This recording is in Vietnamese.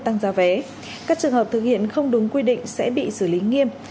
tăng giá vé các trường hợp thực hiện không đúng quy định sẽ bị xử lý nghiêm